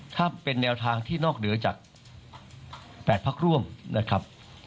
ถ้าเป็นแนวทางที่นอกเหนือจาก๘พักร่วมนะครับ